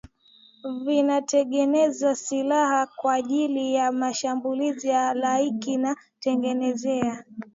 vinatengenezwa silaha kwajili ya mashambulizi ya halaiki na kutengenezea